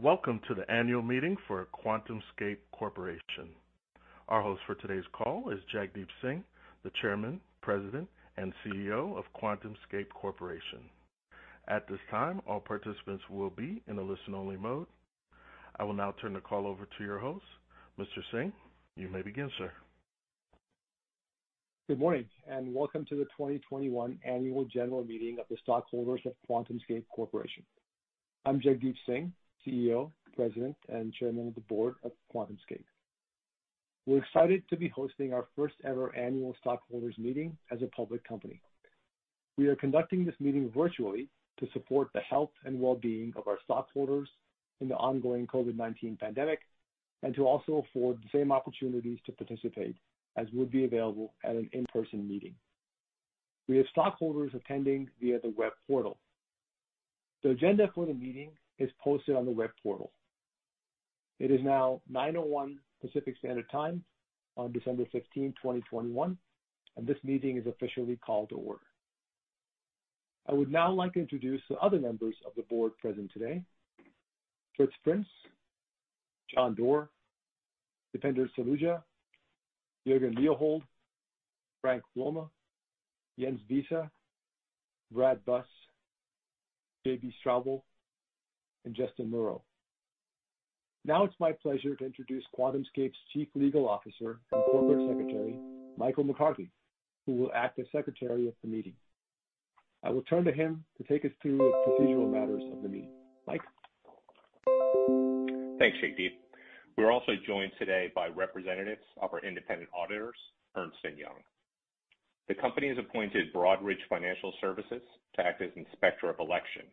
Welcome to the annual meeting for QuantumScape Corporation. Our host for today's call is Jagdeep Singh, the Chairman, President, and CEO of QuantumScape Corporation. At this time, all participants will be in a listen-only mode. I will now turn the call over to your host, Mr. Singh. You may begin, sir. Good morning, and welcome to the 2021 annual general meeting of the stockholders of QuantumScape Corporation. I'm Jagdeep Singh, CEO, President, and Chairman of the Board of QuantumScape. We're excited to be hosting our first-ever annual stockholders' meeting as a public company. We are conducting this meeting virtually to support the health and well-being of our stockholders in the ongoing COVID-19 pandemic and to also afford the same opportunities to participate as would be available at an in-person meeting. We have stockholders attending via the web portal. The agenda for the meeting is posted on the web portal. It is now 9:01 A.M. Pacific Standard Time on December 15th, 2021, and this meeting is officially called to order. I would now like to introduce the other members of the Board present today: Fritz Prinz, John Doerr, Dipender Saluja, Jürgen Leohold, Frank Wurtenberger, Jens Wiese, Brad Buss, J.B. Straubel, and Justin Morrow. Now it's my pleasure to introduce QuantumScape's Chief Legal Officer and Corporate Secretary, Michael McCarthy, who will act as Secretary of the meeting. I will turn to him to take us through the procedural matters of the meeting. Mike? Thanks, Jagdeep. We're also joined today by representatives of our independent auditors, Ernst & Young LLP. The company has appointed Broadridge Financial Services to act as inspector of elections.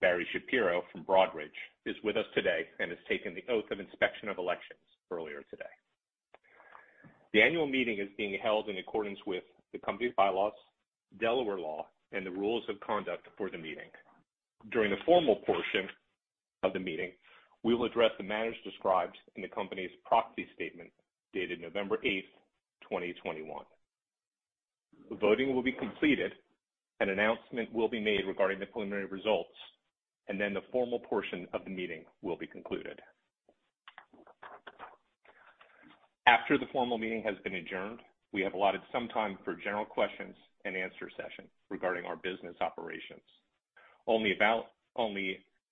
Barry Shapiro from Broadridge is with us today and has taken the oath of inspection of elections earlier today. The annual meeting is being held in accordance with the company's bylaws, Delaware law, and the rules of conduct for the meeting. During the formal portion of the meeting, we will address the matters described in the company's proxy statement dated November 8th, 2021. The voting will be completed, an announcement will be made regarding the preliminary results, and then the formal portion of the meeting will be concluded. After the formal meeting has been adjourned, we have allotted some time for general questions and answer sessions regarding our business operations. Only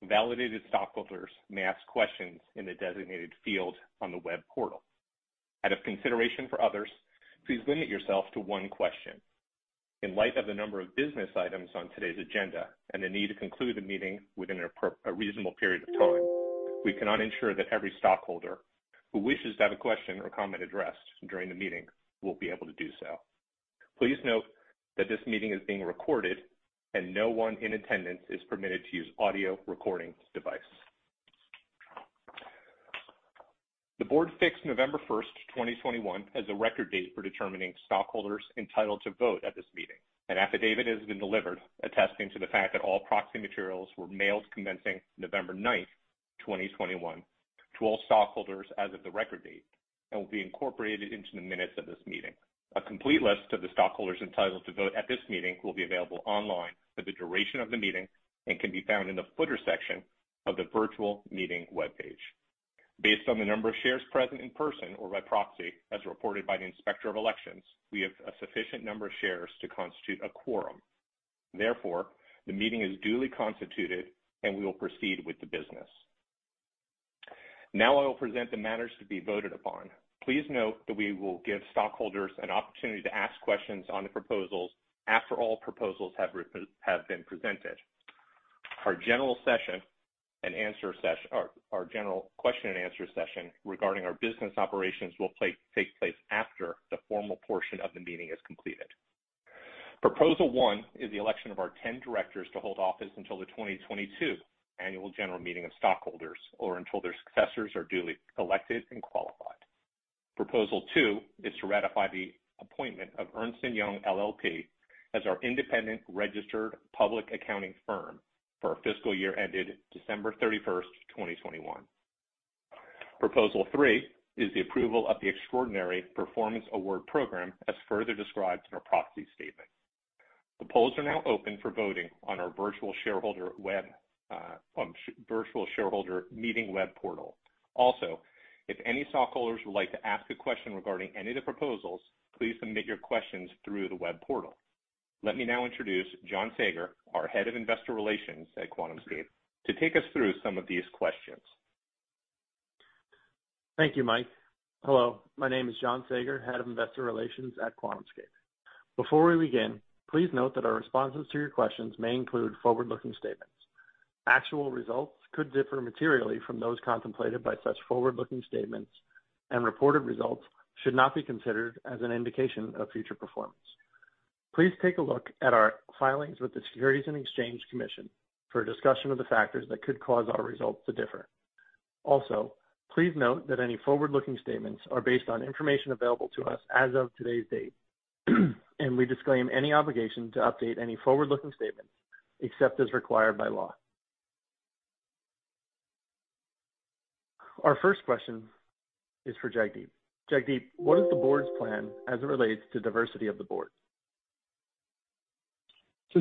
validated stockholders may ask questions in the designated field on the web portal. Out of consideration for others, please limit yourself to one question. In light of the number of business items on today's agenda and the need to conclude the meeting within a reasonable period of time, we cannot ensure that every stockholder who wishes to have a question or comment addressed during the meeting will be able to do so. Please note that this meeting is being recorded and no one in attendance is permitted to use audio recording devices. The board fixed November 1st, 2021, as a record date for determining stockholders entitled to vote at this meeting. An affidavit has been delivered attesting to the fact that all proxy materials were mailed commencing November 9th, 2021, to all stockholders as of the record date and will be incorporated into the minutes of this meeting. A complete list of the stockholders entitled to vote at this meeting will be available online for the duration of the meeting and can be found in the footer section of the virtual meeting web page. Based on the number of shares present in person or by proxy, as reported by the inspector of elections, we have a sufficient number of shares to constitute a quorum. Therefore, the meeting is duly constituted and we will proceed with the business. Now I will present the matters to be voted upon. Please note that we will give stockholders an opportunity to ask questions on the proposals after all proposals have been presented. Our general session and answer session, our general question-and-answer session regarding our business operations will take place after the formal portion of the meeting is completed. Proposal one is the election of our 10 directors to hold office until the 2022 annual general meeting of stockholders or until their successors are duly elected and qualified. Proposal two is to ratify the appointment of Ernst & Young LLP as our independent registered public accounting firm for the fiscal year ended December 31st, 2021. Proposal three is the approval of the Extraordinary Performance Award Program as further described in our proxy statement. The polls are now open for voting on our virtual shareholder meeting web portal. Also, if any stockholders would like to ask a question regarding any of the proposals, please submit your questions through the web portal. Let me now introduce John Saager, our Head of Investor Relations at QuantumScape, to take us through some of these questions. Thank you, Mike. Hello, my name is John Saager, Head of Investor Relations at QuantumScape. Before we begin, please note that our responses to your questions may include forward-looking statements. Actual results could differ materially from those contemplated by such forward-looking statements, and reported results should not be considered as an indication of future performance. Please take a look at our filings with the Securities and Exchange Commission for a discussion of the factors that could cause our results to differ. Also, please note that any forward-looking statements are based on information available to us as of today's date, and we disclaim any obligation to update any forward-looking statements except as required by law. Our first question is for Jagdeep. Jagdeep, what is the board's plan as it relates to diversity of the board?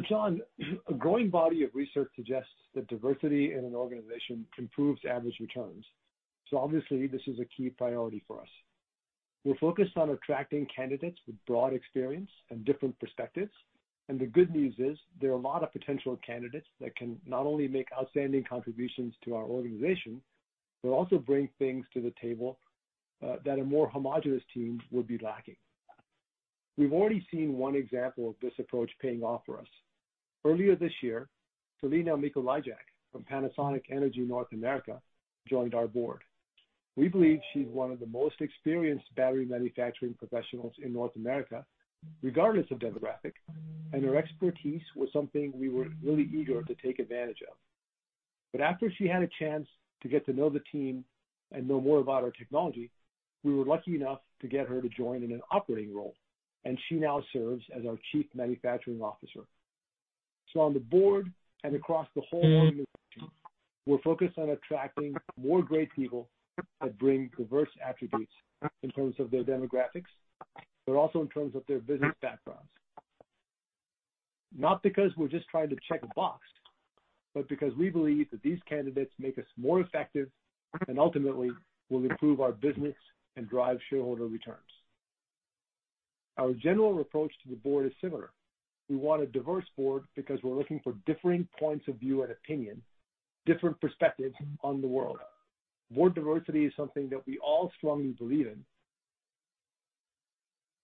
John, a growing body of research suggests that diversity in an organization improves average returns. Obviously, this is a key priority for us. We're focused on attracting candidates with broad experience and different perspectives, and the good news is there are a lot of potential candidates that can not only make outstanding contributions to our organization but also bring things to the table that a more homogeneous team would be lacking. We've already seen one example of this approach paying off for us. Earlier this year, Celina Mikolajczak from Panasonic Energy North America joined our board. We believe she's one of the most experienced battery manufacturing professionals in North America, regardless of demographic, and her expertise was something we were really eager to take advantage of. After she had a chance to get to know the team and know more about our technology, we were lucky enough to get her to join in an operating role, and she now serves as our Chief Manufacturing Officer. On the board and across the whole organization, we're focused on attracting more great people that bring diverse attributes in terms of their demographics but also in terms of their business backgrounds. Not because we're just trying to check a box, but because we believe that these candidates make us more effective and ultimately will improve our business and drive shareholder returns. Our general approach to the board is similar. We want a diverse board because we're looking for differing points of view and opinion, different perspectives on the world. Board diversity is something that we all strongly believe in,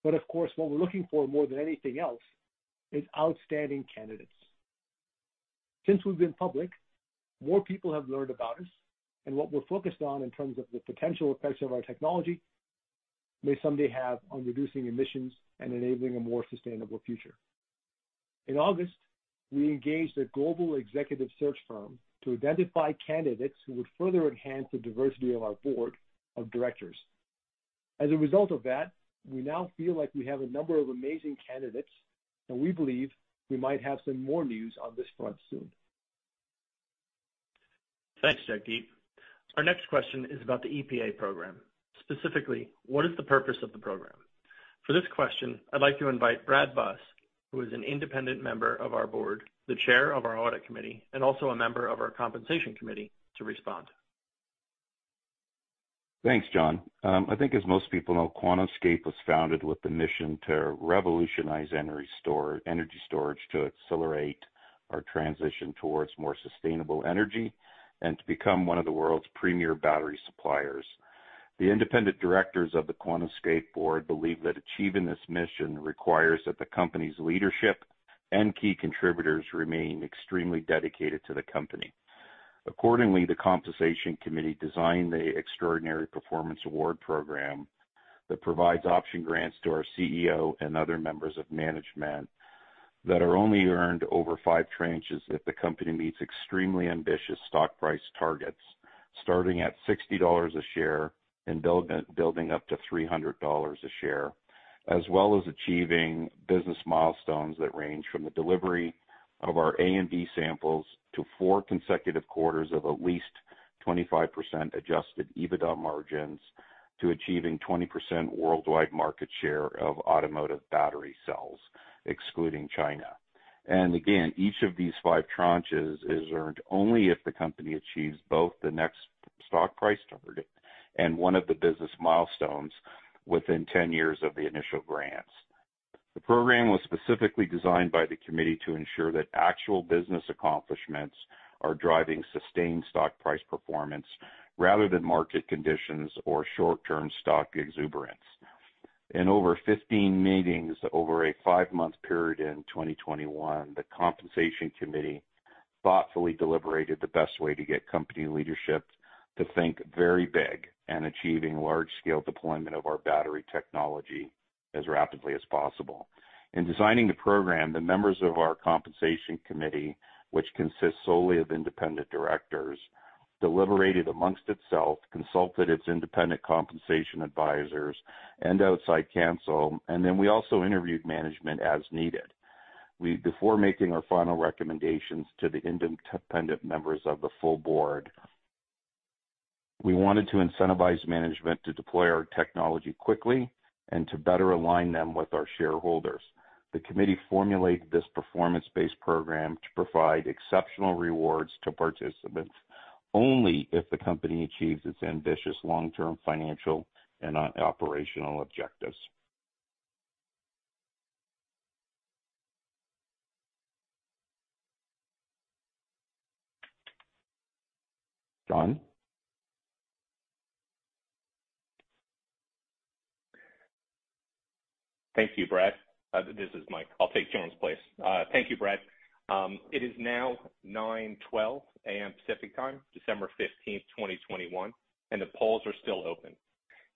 but of course, what we're looking for more than anything else is outstanding candidates. Since we've been public, more people have learned about us, and what we're focused on in terms of the potential effects our technology may someday have on reducing emissions and enabling a more sustainable future. In August, we engaged a global executive search firm to identify candidates who would further enhance the diversity of our board of directors. As a result of that, we now feel like we have a number of amazing candidates, and we believe we might have some more news on this front soon. Thanks, Jagdeep. Our next question is about the EPA Program. Specifically, what is the purpose of the program? For this question, I'd like to invite Brad Buss, who is an independent member of our Board, the Chair of our Audit Committee, and also a member of our Compensation Committee, to respond. Thanks, John. I think, as most people know, QuantumScape was founded with the mission to revolutionize energy storage to accelerate our transition towards more sustainable energy and to become one of the world's premier battery suppliers. The independent directors of the QuantumScape board believe that achieving this mission requires that the company's leadership and key contributors remain extremely dedicated to the company. Accordingly, the compensation committee designed the Extraordinary Performance Award Program that provides option grants to our CEO and other members of management that are only earned over five tranches if the company meets extremely ambitious stock price targets, starting at $60 a share and building up to $300 a share, as well as achieving business milestones that range from the delivery of our A&B samples to four consecutive quarters of at least 25% adjusted EBITDA margins to achieving 20% worldwide market share of automotive battery cells, excluding China. Each of these five tranches is earned only if the company achieves both the next stock price target and one of the business milestones within 10 years of the initial grants. The program was specifically designed by the committee to ensure that actual business accomplishments are driving sustained stock price performance rather than market conditions or short-term stock exuberance. In over 15 meetings over a five-month period in 2021, the compensation committee thoughtfully deliberated the best way to get company leadership to think very big and achieve a large-scale deployment of our battery technology as rapidly as possible. In designing the program, the members of our compensation committee, which consists solely of independent directors, deliberated amongst itself, consulted its independent compensation advisors and outside counsel, and then we also interviewed management as needed. Before making our final recommendations to the independent members of the full board, we wanted to incentivize management to deploy our technology quickly and to better align them with our shareholders. The committee formulated this performance-based program to provide exceptional rewards to participants only if the company achieves its ambitious long-term financial and operational objectives. John? Thank you, Brad. This is Mike. I'll take John's place. Thank you, Brad. It is now 9:12 A.M. Pacific Time, December 15th, 2021, and the polls are still open.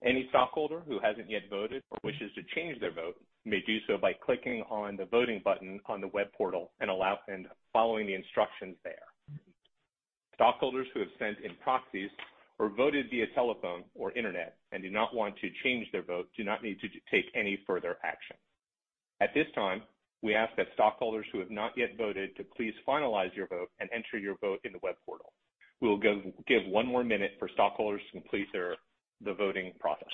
Any stockholder who hasn't yet voted or wishes to change their vote may do so by clicking on the voting button on the web portal and following the instructions there. Stockholders who have sent in proxies or voted via telephone or internet and do not want to change their vote do not need to take any further action. At this time, we ask that stockholders who have not yet voted to please finalize your vote and enter your vote in the web portal. We will give one more minute for stockholders to complete the voting process.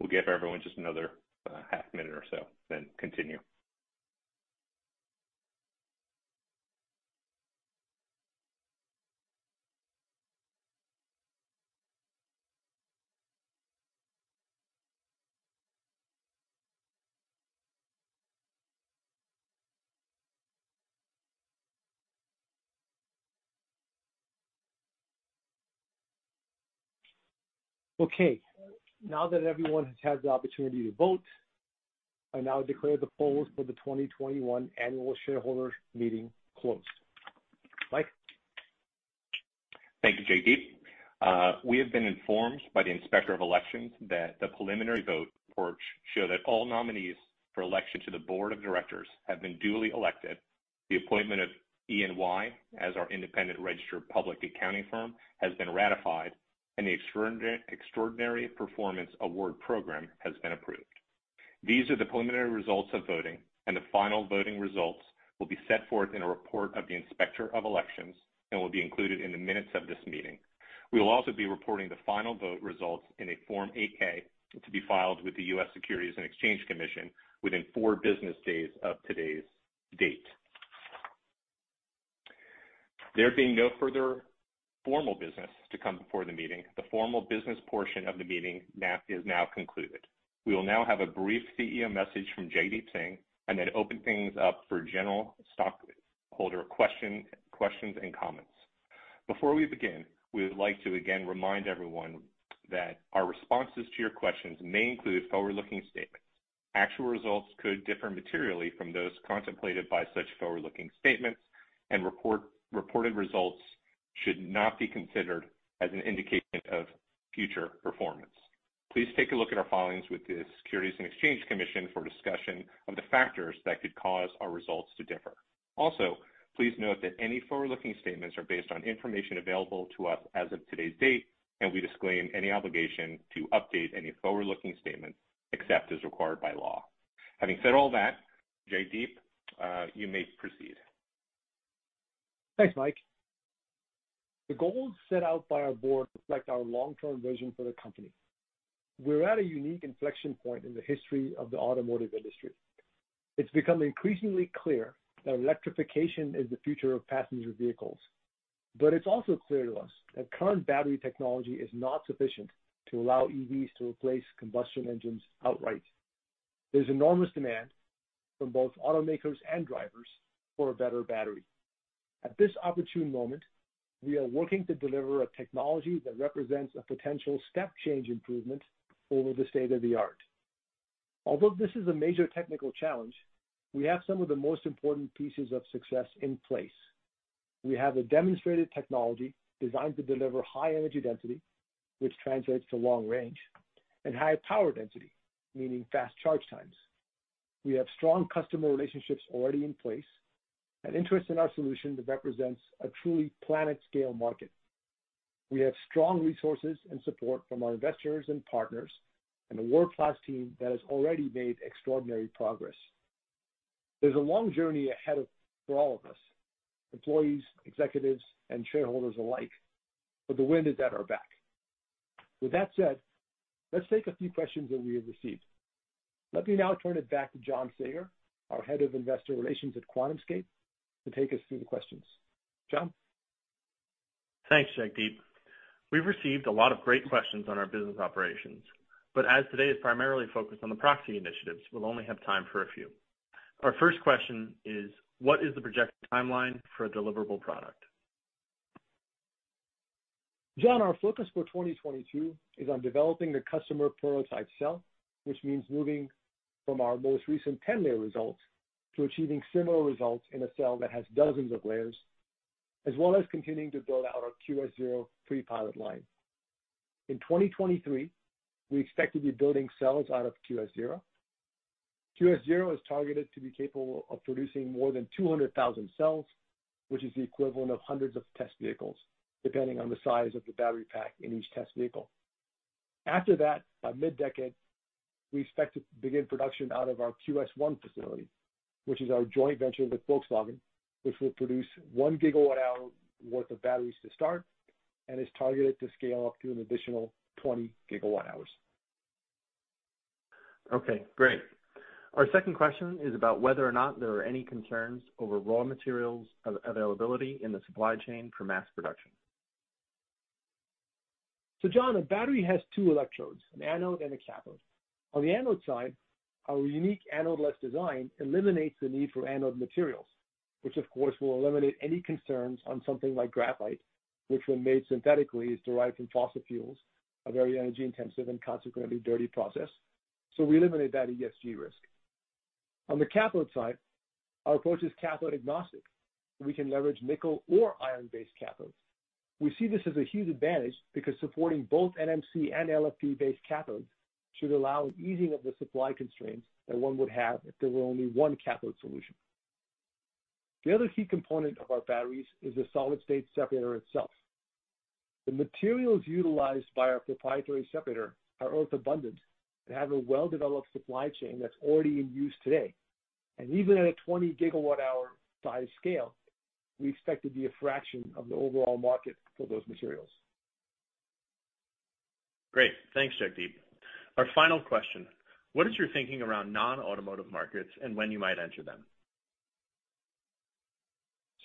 We'll give everyone just another half minute or so, then continue. Okay. Now that everyone has had the opportunity to vote, I now declare the polls for the 2021 annual shareholder meeting closed. Mike? Thank you, Jagdeep. We have been informed by the inspector of elections that the preliminary vote reports show that all nominees for election to the board of directors have been duly elected, the appointment of Ernst & Young LLP as our independent registered public accounting firm has been ratified, and the Extraordinary Performance Award Program has been approved. These are the preliminary results of voting, and the final voting results will be set forth in a report of the inspector of elections and will be included in the minutes of this meeting. We will also be reporting the final vote results in a Form 8-K to be filed with the U.S. Securities and Exchange Commission within four business days of today's date. There being no further formal business to come before the meeting, the formal business portion of the meeting is now concluded. We will now have a brief CEO message from Jagdeep Singh and then open things up for general stockholder questions and comments. Before we begin, we would like to again remind everyone that our responses to your questions may include forward-looking statements. Actual results could differ materially from those contemplated by such forward-looking statements, and reported results should not be considered as an indication of future performance. Please take a look at our filings with the Securities and Exchange Commission for a discussion of the factors that could cause our results to differ. Also, please note that any forward-looking statements are based on information available to us as of today's date, and we disclaim any obligation to update any forward-looking statement except as required by law. Having said all that, Jagdeep, you may proceed. Thanks, Mike. The goals set out by our board reflect our long-term vision for the company. We're at a unique inflection point in the history of the automotive industry. It's become increasingly clear that electrification is the future of passenger vehicles, but it's also clear to us that current battery technology is not sufficient to allow EVs to replace combustion engines outright. There's enormous demand from both automakers and drivers for a better battery. At this opportune moment, we are working to deliver a technology that represents a potential step-change improvement over the state of the art. Although this is a major technical challenge, we have some of the most important pieces of success in place. We have a demonstrated technology designed to deliver high energy density, which translates to long range, and high power density, meaning fast charge times. We have strong customer relationships already in place and interest in our solution that represents a truly planet-scale market. We have strong resources and support from our investors and partners and a world-class team that has already made extraordinary progress. There's a long journey ahead for all of us, employees, executives, and shareholders alike, but the wind is at our back. With that said, let's take a few questions that we have received. Let me now turn it back to John Saager, our Head of Investor Relations at QuantumScape, to take us through the questions. John? Thanks, Jagdeep. We've received a lot of great questions on our business operations, but as today is primarily focused on the proxy initiatives, we'll only have time for a few. Our first question is, what is the projected timeline for a deliverable product? John, our focus for 2022 is on developing the customer prototype cell, which means moving from our most recent 10-layer results to achieving similar results in a cell that has dozens of layers, as well as continuing to build out our QS-0 pre-pilot line. In 2023, we expect to be building cells out of QS-0. QS-0 is targeted to be capable of producing more than 200,000 cells, which is the equivalent of hundreds of test vehicles, depending on the size of the battery pack in each test vehicle. After that, by mid-decade, we expect to begin production out of our QS-1 facility, which is our joint venture with Volkswagen Group, which will produce 1 GWh worth of batteries to start and is targeted to scale up to an additional 20 GWh. Okay. Great. Our second question is about whether or not there are any concerns over raw materials availability in the supply chain for mass production. John, a battery has two electrodes, an anode and a cathode. On the anode side, our unique anode-less design eliminates the need for anode materials, which, of course, will eliminate any concerns on something like graphite, which, when made synthetically, is derived from fossil fuels, a very energy-intensive and consequently dirty process. We eliminate that ESG risk. On the cathode side, our approach is cathode-agnostic. We can leverage nickel or iron-based cathodes. We see this as a huge advantage because supporting both NMC and LFP-based cathodes should allow easing of the supply constraints that one would have if there were only one cathode solution. The other key component of our batteries is the solid-state separator itself. The materials utilized by our proprietary separator are earth-abundant and have a well-developed supply chain that's already in use today. Even at a 20 GWh size scale, we expect to be a fraction of the overall market for those materials. Great. Thanks, Jagdeep. Our final question, what is your thinking around non-automotive markets and when you might enter them?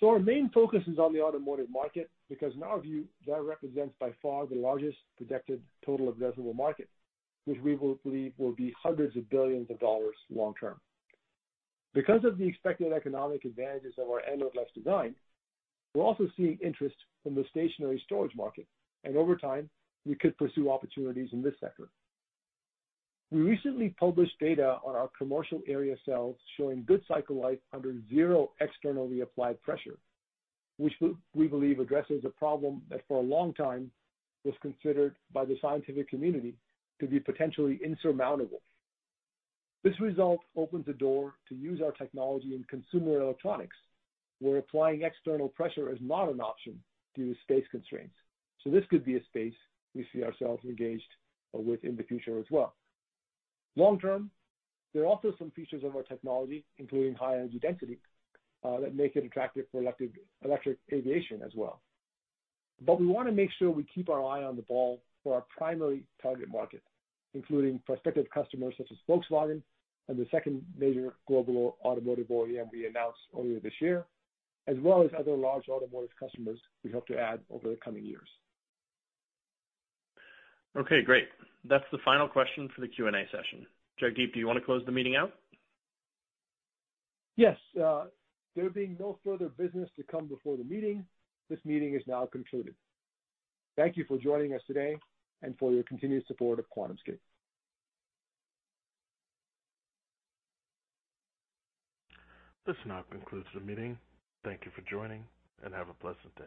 Our main focus is on the automotive market because, in our view, that represents by far the largest projected total addressable market, which we believe will be hundreds of billions of dollars long term. Because of the expected economic advantages of our anode-less design, we're also seeing interest from the stationary storage market, and over time, we could pursue opportunities in this sector. We recently published data on our commercial area cells showing good cycle life under zero external reapplied pressure, which we believe addresses a problem that for a long time was considered by the scientific community to be potentially insurmountable. This result opens a door to use our technology in consumer electronics where applying external pressure is not an option due to space constraints. This could be a space we see ourselves engaged with in the future as well. Long term, there are also some features of our technology, including high energy density, that make it attractive for electric aviation as well. We want to make sure we keep our eye on the ball for our primary target market, including prospective customers such as Volkswagen Group and the second major global automotive OEM we announced earlier this year, as well as other large automotive customers we hope to add over the coming years. Okay. Great. That's the final question for the Q&A session. Jagdeep, do you want to close the meeting out? Yes. There being no further business to come before the meeting, this meeting is now concluded. Thank you for joining us today and for your continued support of QuantumScape. This now concludes the meeting. Thank you for joining and have a pleasant day.